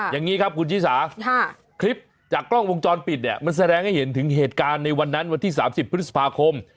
อย่างนี้ครับคุณชิสาคลิปจากกล้องวงจรปิดเนี่ยมันแสดงให้เห็นถึงเหตุการณ์ในวันนั้นวันที่๓๐พฤษภาคม